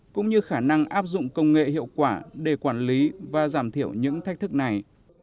cũng như khả năng áp dụng công nghệ hiệu quả để quản lý và giảm thiểu những thách thức này